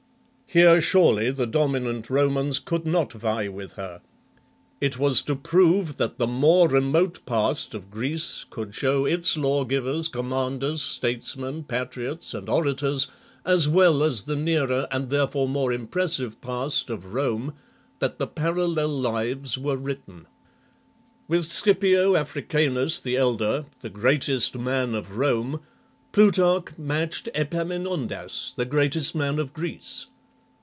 Here surely the dominant Romans could not vie with her. It was to prove that the more remote past of Greece could show its lawgivers, commanders, statesmen, patriots, and orators, as well as the nearer and therefore more impressive past of Rome, that the Parallel Lives were written. With Scipio Africanus the Elder, the greatest man of Rome, Plutarch matched Epaminondas, the greatest man of Greece.